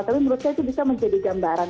tapi menurut saya itu bisa menjadi gambaran